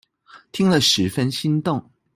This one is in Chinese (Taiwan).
聽了十分心動